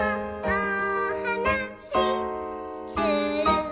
おはなしする」